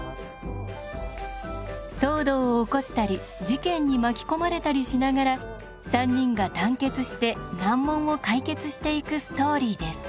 騒動を起こしたり事件に巻き込まれたりしながら三人が団結して難問を解決していくストーリーです。